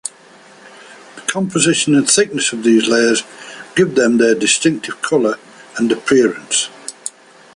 The composition and thickness of these layers give them their distinctive color and appearance.